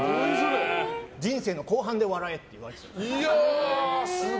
人生の後半で笑えって言われてたんですよ。